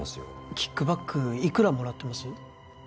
キックバックいくらもらってます？